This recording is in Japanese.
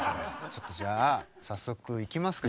ちょっとじゃあ早速いきますか。